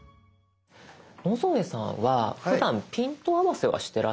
野添さんはふだんピント合わせはしてらっしゃいますか？